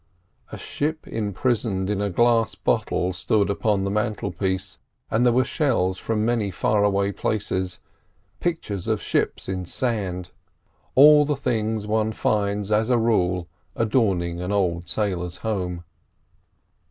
A ship imprisoned in a glass bottle stood upon the mantelpiece, and there were shells from far away places, pictures of ships in sand—all the things one finds as a rule adorning an old sailor's home.